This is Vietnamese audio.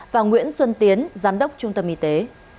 và nguyễn xuân tiến giám đốc trung tâm y tế